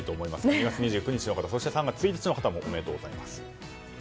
２月２９日の方そして、３月１日の方もおめでとうございます。